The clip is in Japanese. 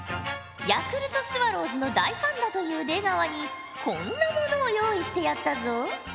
ヤクルトスワローズの大ファンだという出川にこんなものを用意してやったぞ。